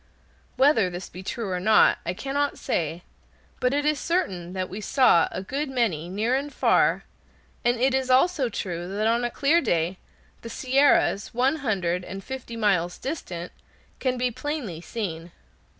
Whether this be true or not, I cannot say, but it is certain that we saw a good many, near and far, and it is also true that on a clear day the Sierras, one hundred and fifty miles distant, can be plainly seen.